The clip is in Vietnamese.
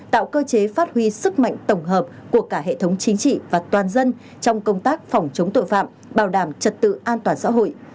tạo cơ chế phát huy sức mạnh tổng hợp của cả hệ thống chính trị và toàn dân trong công tác phòng chống tội phạm bảo đảm trật tự an toàn xã hội